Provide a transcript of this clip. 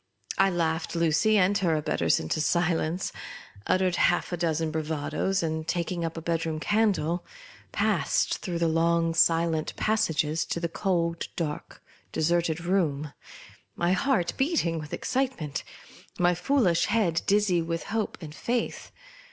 I laughed Lucy and her abettors into silence ; uttered half a dozen bravadoes ; and taking up a bed room candle, passed through the long silent passages, to the cold, dark, deserted room — my heart beat ing with excitement, my foolish head dizzy with hope and faith.